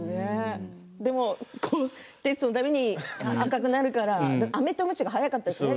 でもテストの度に赤くなるからあめとむちが早かったですね。